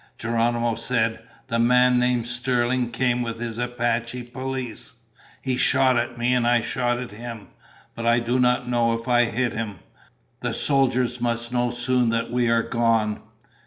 Geronimo said, "The man named Sterling came with his Apache police. He shot at me, and I shot at him, but I do not know if I hit him. The soldiers must know soon that we are gone."